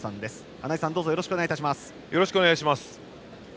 穴井さん、どうぞよろしくお願いいたします。